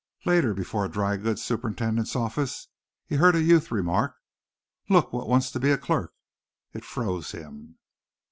Later, before a drygoods superintendent's office, he heard a youth remark, "Look what wants to be a clerk." It froze him.